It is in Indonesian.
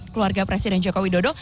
keluarga presiden jokowi dodo